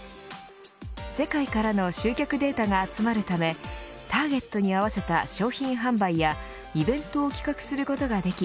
世界からの集客データが集まるためターゲットに合わせた商品販売やイベントを企画することができ